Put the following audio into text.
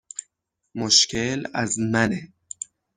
مشکل از منه